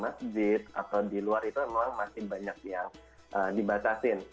masjid atau di luar itu memang masih banyak yang dibatasin